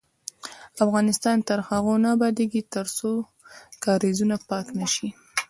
افغانستان تر هغو نه ابادیږي، ترڅو کاریزونه پاک نشي.